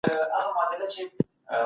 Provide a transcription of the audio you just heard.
په فابريکو کي نوي ټيکنالوژي کارول کيږي.